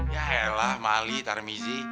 ya elah mali taramizi